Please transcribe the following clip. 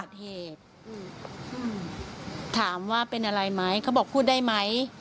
เกิดเหตุถามว่าเป็นอะไรมั้ยเขาบอกพูดได้มั้ย